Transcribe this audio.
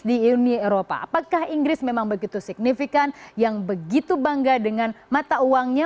di uni eropa apakah inggris memang begitu signifikan yang begitu bangga dengan mata uangnya